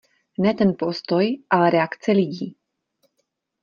Ne ten postoj, ale reakce lidí.